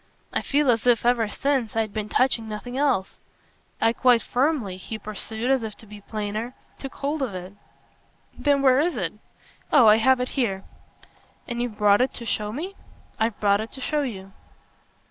I feel as if, ever since, I'd been touching nothing else. I quite firmly," he pursued as if to be plainer, "took hold of it." "Then where is it?" "Oh I have it here." "And you've brought it to show me?" "I've brought it to show you."